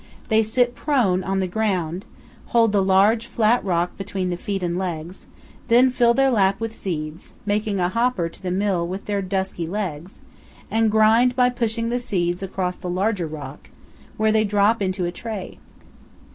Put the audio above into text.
They sit prone on the ground, hold the large flat rock between the feet and legs, then fill their laps with seeds, making a hopper to the mill with their dusky legs, and grind by pushing the seeds across the larger rock, where they drop into a tray.